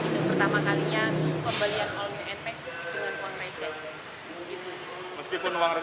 ini pertama kalinya pembelian all new impact dengan uang receh